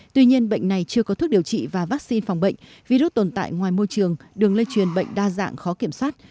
tuy nhiên bệnh này chưa có thuốc điều trị và vaccine phòng bệnh virus tồn tại ngoài môi trường đường lây truyền bệnh đa dạng khó kiểm soát